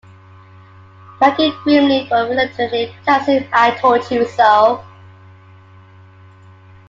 Peggy grimly but reluctantly tells him I told you so.